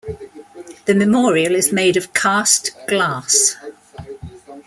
The memorial is made of cast glass.